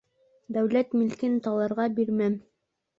Дәүләт милкен таларға бирмәм!